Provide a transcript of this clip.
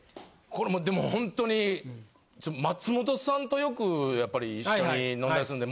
これもでも本当に松本さんとよくやっぱり一緒に飲んだりするんで。